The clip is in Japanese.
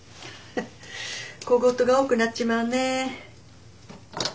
小言が多くなっちまうね。